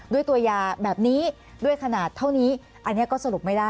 ด้วยตัวยาแบบนี้ด้วยขนาดเท่านี้อันนี้ก็สรุปไม่ได้